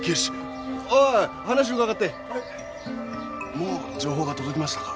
もう情報が届きましたか？